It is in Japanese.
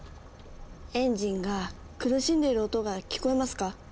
エンジンが苦しんでる音が聞こえますか？